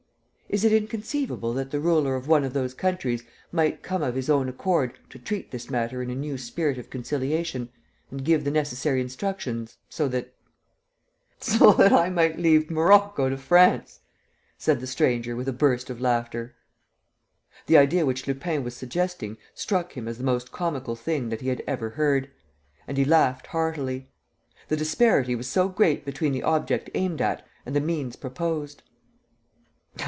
... Is it inconceivable that the ruler of one of those countries might come of his own accord to treat this matter in a new spirit of conciliation ... and give the necessary instructions ... so that ..." "So that I might leave Morocco to France?" said the stranger, with a burst of laughter. The idea which Lupin was suggesting struck him as the most comical thing that he had ever heard; and he laughed heartily. The disparity was so great between the object aimed at and the means proposed!